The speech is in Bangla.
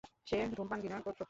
সে ধূমপান ঘৃণা করতো।